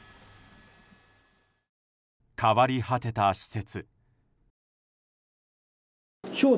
変わり果てた施設。